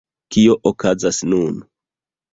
Kio okazas nun?